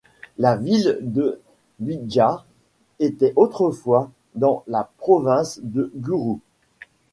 La ville de Bidjar était autrefois dans la province de Gurus.